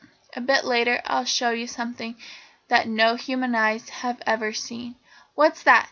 A bit later I'll show you something that no human eyes have ever seen." "What's that?"